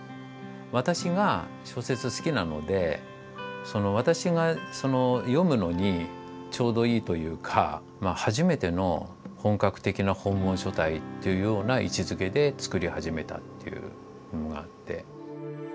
私が小説好きなので私が読むのにちょうどいいというか初めての本格的な本文書体というような位置づけで作り始めたっていうものなので。